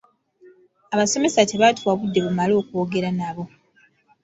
Abasomesa tebaatuwa budde bumala okwogera nabo.